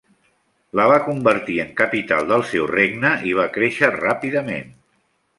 La va convertir en capital del seu regne i va créixer ràpidament.